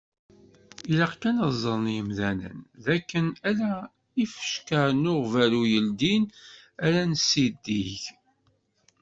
Ilaq kan ad ẓren yimdanen d akken ala ifecka n uɣbalu yeldin ara nessidig.